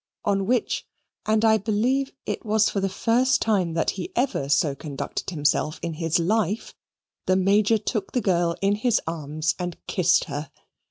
On which, and I believe it was for the first time that he ever so conducted himself in his life, the Major took the girl in his arms and kissed her.